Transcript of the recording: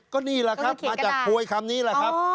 ก็นี่แหละครับมาจากโพยคำนี้แหละครับ